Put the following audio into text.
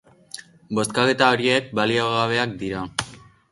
Bozkaketa horiek baliogabeak dira.